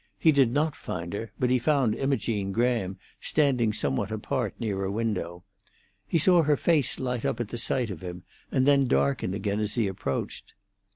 He did not find her, but he found Imogene Graham standing somewhat apart near a window. He saw her face light up at sight of him, and then darken again as he approached.